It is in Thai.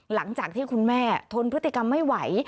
หลังจากที่คุณแม่ทนพฤติกรรมไม่ไหว